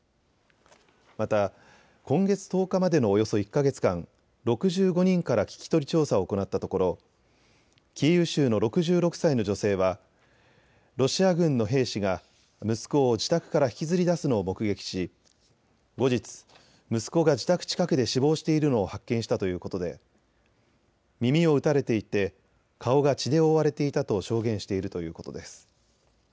また今月１０日までのおよそ１か月間、６５人から聞き取り調査を行ったところキーウ州の６６歳の女性はロシア軍の兵士が息子を自宅から引きずり出すのを目撃し後日、息子が自宅近くで死亡しているのを発見したということで耳を撃たれていて顔が血で覆われていたと証言しているということです。